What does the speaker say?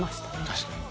確かに。